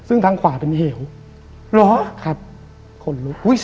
ซึ่งทางขวาเป็นเหี่ยว